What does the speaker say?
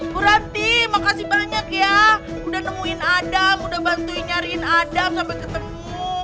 bu ranti makasih banyak ya udah nemuin adam udah bantuin nyariin adam sampai ketemu